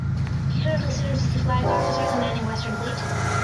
He currently serves as the Flag Officer Commanding Western Fleet.